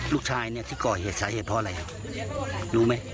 ลูกชายที่ก่อเหตุสาเหตุเพราะอะไรรู้ไหม